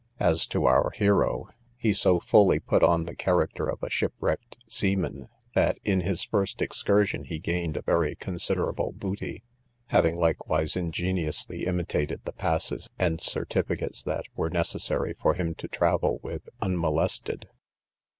As to our hero, he so fully put on the character of a shipwrecked seaman, that in his first excursion he gained a very considerable booty, having likewise ingeniously imitated the passes and certificates that were necessary for him to travel with unmolested.